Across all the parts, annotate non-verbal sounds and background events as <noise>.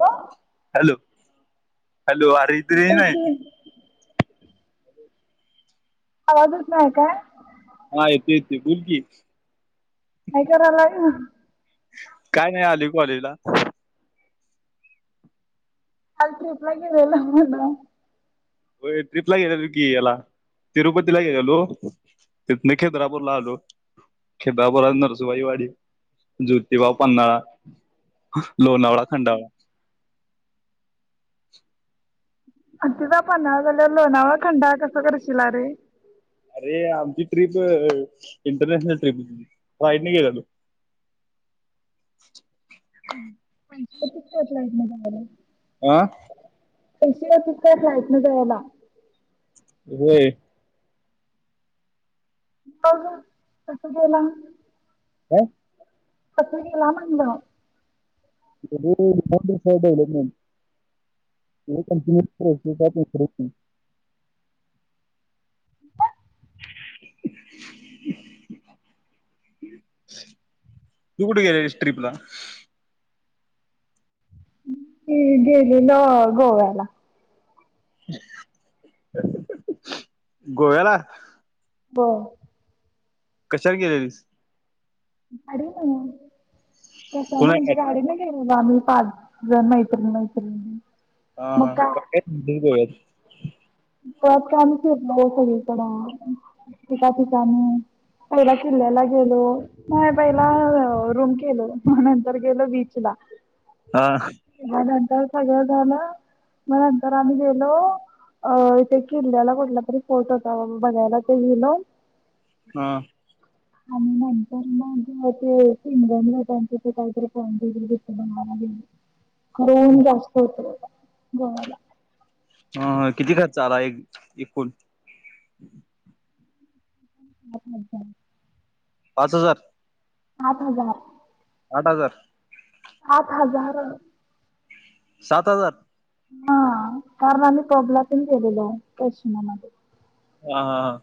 बोल hello! Hello! अरे इथं रेंज नाय. की आवाजचं नाही काय? हा, येतोय येतोय बोल की. काय करालाय? काय नाही आलोय, कॉलेजला. आज ट्रीप गेलेला म्हण. होय ट्रिपला गेलेलो की हेला तिरुपतीला गेल्यालो, तिथंन खिद्रापूर ला आलो, खिद्रापूर, नरसोबाची वाडी जोतीबा, पन्हाळा, लोणावळा, खंडाळा आलतासा पन्हाळा गडाव, लोणावळा, खंडाळा कसं करशीला रे? अरे! आमची ट्रिप इंटरनॅशनल ट्रिप राईटने गेल्यालो. <unintelligible> गेल्यालास. आह पैशे लागत्यात काय फ्लाईटने जायला? होय. मग कस गेला? काय? कसं गेला म्हणलं? <unintelligible> दोन दिवसाचं डेवलपमेंट <unintelligible> तू कुठ गेलेलीस ट्रिपला? मी गेलेलो गोव्याला. गोव्याला? व्हय. कशाल गेलेलीस? <unintelligible> कशान म्हणजे? पुण्यात गाडी न गे लामी पाच ज मैत्री मैत्रिणी. मग हां-हां, काय <unintelligible> गोव्यात. पळत काम फिरलो सगळीकडा. ठिका ठिकाणी पहिला किल्ल्याला गेलो. नाही, पहिला रूम केलो. म नंतर गेलो बीचला. हां त सगळं झालं. म नंतर आम्ही गेलो अ, इथे किल्ल्याला कुठला तरी फोर्ट होता वग, बघायला ते गेलो. हां आणि नंतर मंग ते पिंगमला त्यांचे ते काहीतरी <unintelligible> बनवाया गेले. कडून जास्त होतं. गव्हाला हं, किती खर्च आला एक एकूण? <unintelligible> पाच हजार? आठ हजार. आठ हजार? आठ हजार. सात हजार? हा कारण आम्ही पबलातून गेलेलो. स्टेशना मध्ये. हा हा हा..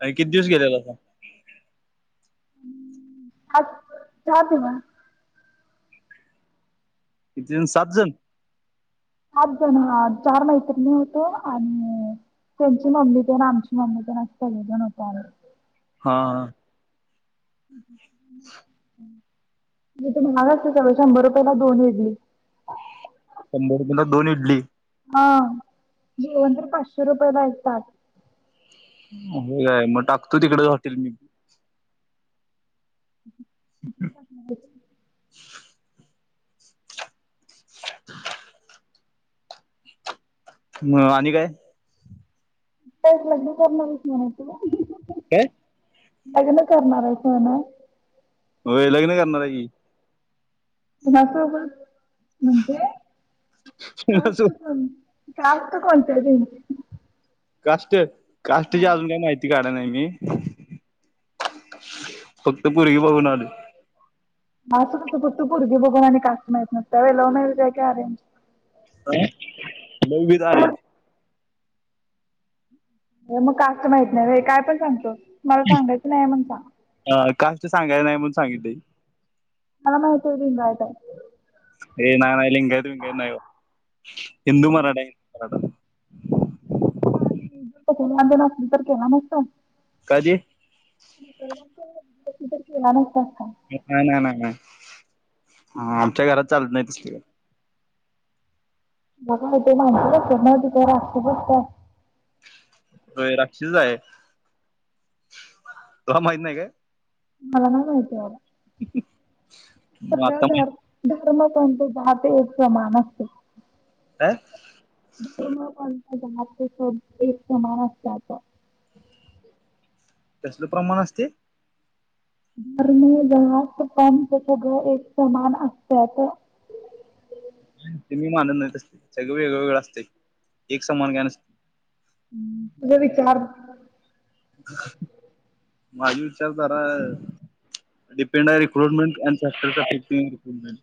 आणि किती दिवस गेलेलां सा? सहा दिवस. किती जण. सात जण? आठ जण ह. चार मैत्रिणी होतो. आणि त्यांची मम्मी तेन आमची मम्मी तेन अस सगळेजण होतो आम्ही. हा.. <unintelligible> <inaudible> मी तुम्हाला सुचवल शंभर रुपयाला दोन इडली. शंभर रुपयंला दोन इडली? हा.. दिवसभर पाचशे रुपये भेटतात. होय मग टाकतो तिकडच हॉटेल मी. <inaudible> <inaudible> मग आणि काय? तेच लग्न कर म्हंटल नवं तिला. काय लग्न करणार आहेस म्हण? होय लग्न करणार हाय कि. कुणासोबत? म्हणजे कास्ट कोण कास्ट कोणती. कधी. कास्ट. कास्ट ची अजून काय माहीत काढ नाही मी. फक्त पुरगी बघून आलोय. कायतरच तू पुरगी बघून आणि कास्ट माहित नसत्या होय. लव्हमारिज हाय का अरेंजमरीज. लव्ह विथ अरेंज अ मग कास्ट माहीत नाही होय. काय पण सांगतोस. मला सांगायचं नाहीये म्हणून सांग कालच सांगायच नाय म्हणून सांगितलंय. मला माहिते लिंगायत आय ये नाय नाय लिंगायत विंगायत नाय, हिंदू मराठा हाय हिंदू मराठा <unintelligible> असली तर केला नसतास? काजे <unintelligible> केला नसता <unintelligible> <unintelligible> नाय नाय नाय नाय आ आमच्या घरात चालत नाही तसल काय बघा इथं माणसच असत्यात न्हवं, ती काय राक्षस असत्या होय राक्षस आय, तुला माहित नई काय? मला नाही माहिती बाबा मग सगळं आता माहित धर धा धर्म, पंथ, जात एक समान असते. काय? धर्म पंथ जात <unintelligible> एक समान असत्या आता तसलं प्रमाण असतय धर्म, जात, पंथ सगळ एक समान असत्यात. ते मी मानत नाई तसलं, सगळं वेगळवेगळ असतय, एक समान काय नसतय. हम्म तुझं विचार माझे विचार जरा डिपेंड हाय रिक्रुटमेंट अँड <unintelligible> ती <unintelligible>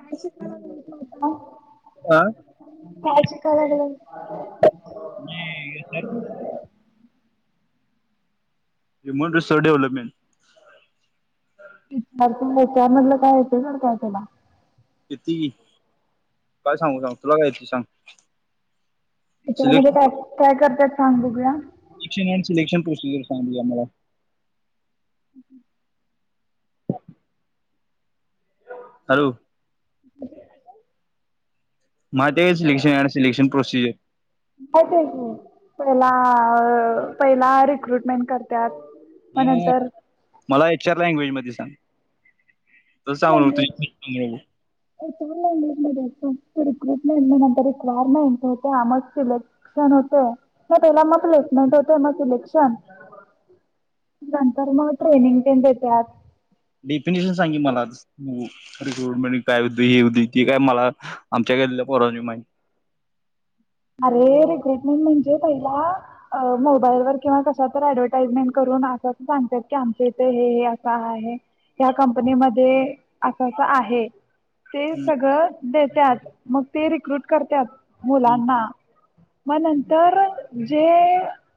काय शिका लागलाय तू आता? आ काय शिका लागलायस? मी <unintelligible> युमन सिसोव डेव्हलपमेंट <unintelligible> त्यामधलं काय येतंय तर काय तुला येतंय कि, काय सांगू सांग, तुला काय येतंय सांग? त्याच्यामध्ये काय काय कर त्यात सांग बघूया? सिक्टी नाईन सिलेक्शन प्रोसिजर सांग बघूया मला उहू. हॅलो. माय ते काय सिलेक्शन अँड सिलेक्शन प्रोसिजर माहित आय की पहिला अ पहिला रिक्रुटमेंट करत्यात अ मला ये <unintelligible> लँग्वेज मध्ये सांग. तसं सांगू लॅग्वेज नको येत लॅग्वेज मध्ये येतो. रिक्रुटमेंटर रिक्वायरमेंट होत्या. मग सिलेक्शन होत. म त्याला मग प्लेसमेंट होते. मग सिलेक्शन नंतर मग ट्रेनिंग तेन देत्यात. डेफिनेशन सांग की मला. रिक्रुटमेंट काय होते हे होतय ते काय मला आमच्या गल्लीतल्या पोरांनी पण माहिती. अरे रिक्रुटमेंट म्हणजे पहिला. मोबाईल व किंवा कशावर आडवटाइजमेंट करून अस अस सांगत्यात की. आमच्या इथे हे असं आहे. या कंपनीमध्ये अस अस आहे. ते माहिती सगळं देस. देत्यात मग ते रिक्रुट करत्यात. मुलांना. मग नंतर जे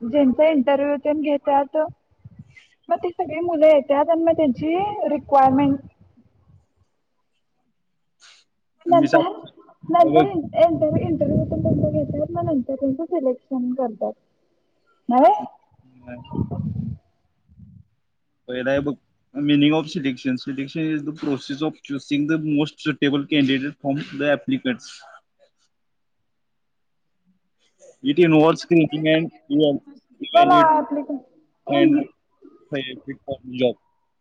ज्यांचा इंटरव्ह्यू तेन घेतात. मग ती सगळी मुलं येतात. आणि मग त्याची रिक्वायरमेंट मी नंतर सांगतो नंतर बघ इंटरव्यू. घेतात मग नंतर त्यांच सिलेक्शन करतात. नव्हे हम्. बहिरा आहे बघ. Meaning of selection selection is the process of choosing the most suitable candidate from the applicant. नर्न बोला ऍप्लिकेशन इंग्लिश फॉ जॉ <unintelligible>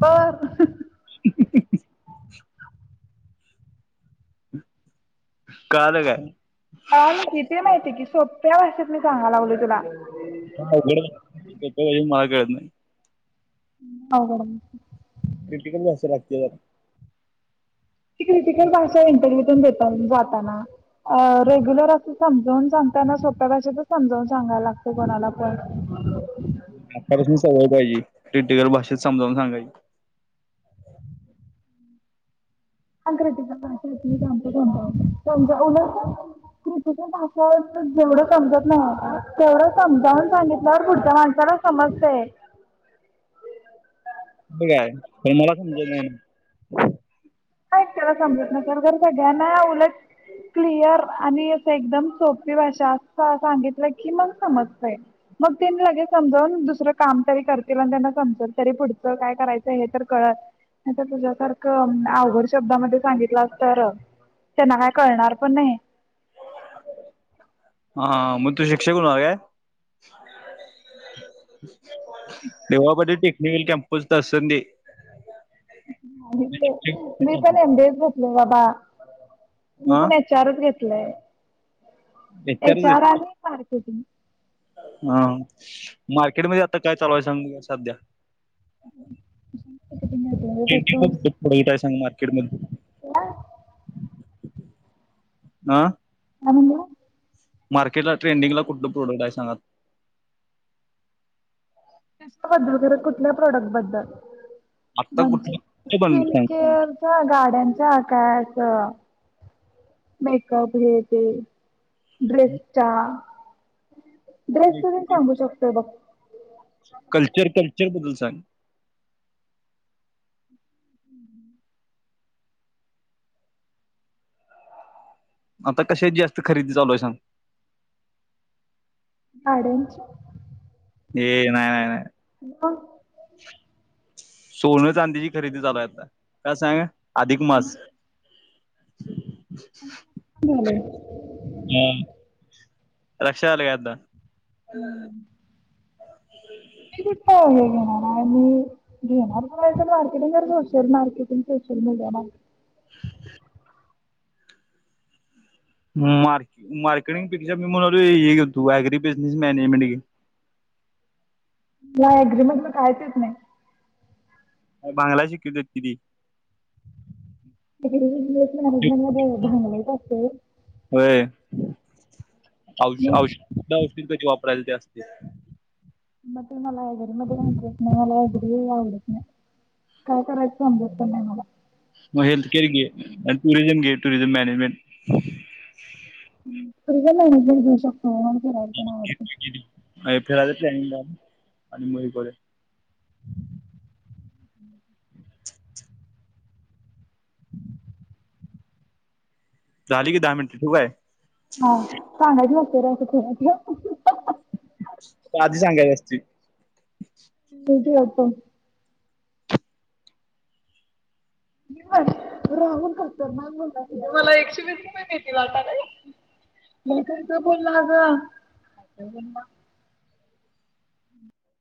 बर. <unintelligible> ह <unintelligible> कळाल की ते माहिती आहे की. सोप्या भाषेत मी सांगायलागलोय तुला. अवघड आहे मला कळत नाही. अवघड आहे. क्रिटिकल जास्त लागते ना. ती क्रिटिकल भाषा इंटरव्हूून देतात जातना. रेग्युलर असं समजाून सांगताना सोप्या भाषेतच समजावून सांगायला लागत कोणाला पण. आतापासून सवय पाहिजे. प्रिटिकल भाषेत समजावून सांगायची. क्रिटिकल भाषा त मी सांगतो समजाउन उलट समजाल क्रिटिकल भाषा जेवढं समजत नाही. तेवढं समजावून सांगितल्यावर पुढच्या माणसाला समजतेय. होय काय पण मला मला समज नाही ना. तुला एकट्याला समजत नसेल. तर सगळ्यांना उलट क्लियर आणि असं एकदम सोपी भाषा असं सांगितलं की. मग समजतय मग ते मी समजवून दुसरं काम तरी करतील. आणि त्यांना समजल तरी पुढचं काय करायचंय हे तर कळत तर तुझ्यासारखं अवघड शब्दामध्ये सांगितलंस तर त्यांना काय कणार पण नाही. हा मग तू शिक्षक होणार काय देवा पाटील टेक्निकल कॅम्पस मी पण ए. बीए बसले बाबा. हा. मी पण एच. आर. घे लय. एच. आर. हा मार्केटमध्ये आता काय चालू हाय सांग सध्या. मार्केटिंग य सांग म <unintelligible> मार्केट मधलं. ह. आ. काय म्हणला. मार्केटला ट्रेंडिंगला कुठलं प्रोडक्ट आहे सांगा आता. कशा बद्दल. खरं कुठल्या प्रोडक्ट बद्दल. आत्ता म्हणजे कुठली ते पण सांग स्किनकेअरच. गाड्यांच. काय. मेकअप. हे. ते. ड्रेस चा. ड्रेसच तेन सांगू शकतोय बघ. चग <unintelligible> हम्म <unintelligible> आता कशा जास्त खरेदी चालू आहे सांग. <unintelligible> ये नाही, नाही, नाही ह. सोन, चांदीची खरेदी चालू आहे का सांगा? आधिक मास. झालय. रक्षाआलय आदा हम्म. अे <unintelligible> मार्क मार्केटिंग पेक्षा मी म्हनालोय हेे घेतो ऍग्री बिझनेस मॅनेजमेंट घेतो. मला एग्रीमेंटगच करायचच नाही. म भांगलाय शिकीवत्यात कि ती. <unintelligible> मॅजमेंट मध्ये भांगलायच असतय व्हय औ औष औषध किती वापरायच ते असतय. मग ते मला लायब्रेरी मध्ये समजत नाही, मला लायब्ररी आवडत नाही, काय करायचं समजत पण नाही मला मग हेल्थकअर घे आणि टुरिझम घे टुरिझम मॅनेजमेंट पुरीगीला ऍडमिशन घ्यायच <unintelligible> घेतली गेली. <unintelligible> फिरायचं प्लॅनिंग <unintelligible> <inaudible> झाली की दहा मिनिटं ठेवू काय? हां सांगायचं नसतंय ते असं फोनवर ठेव. आधी सांगायची असती. ठेव फोन. <unintelligible> राहुल खतरनाक बोलला <unintelligible> मला एकशे वीस रुपये देतील आता नाई? <unintelligible>